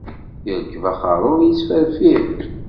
Irekb-d akerrub, ittferfir.